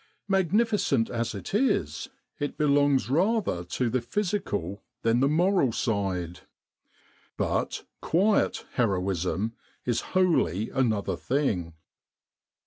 Magnificent as it is, it belongs rather to the physical than the moral side. But ' 'quiet* ' heroism is wholly another thing.